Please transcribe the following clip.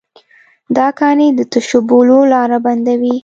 دا کاڼي د تشو بولو لاره بندوي.